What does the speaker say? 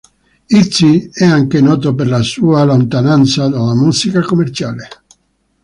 Izzy è anche noto per la sua lontananza dalla musica commerciale.